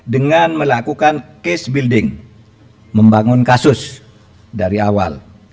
dengan melakukan case building membangun kasus dari awal